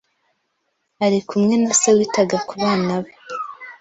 ari kumwe na se witaga ku bana be